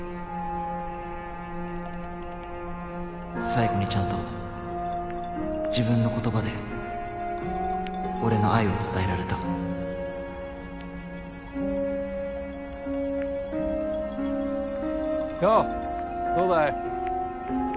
最後にちゃんと自分の言葉で俺の愛を伝えヨォどうだい？